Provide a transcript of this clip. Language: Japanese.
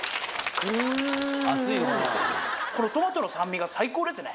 このトマトの酸味が最高ですね